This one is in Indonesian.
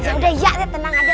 ya udah iya deh tenang aja